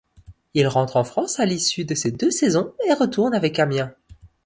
Il rentre en France à l'issue de ces deux saisons et retourne avec Amiens.